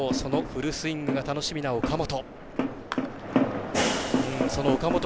フルスイングが楽しみな、岡本。